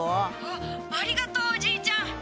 ☎あっありがとうおじいちゃん。